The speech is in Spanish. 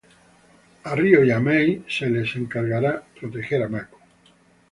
Rio y Mei se las encargará proteger a Mako.